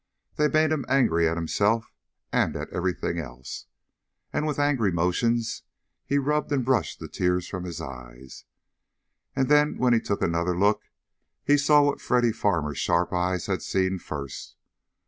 That made him angry at himself, and at everything else. And with angry motions he rubbed and brushed the tears from his eyes. And then when he took another look he saw what Freddy Farmer's sharp eyes had seen first.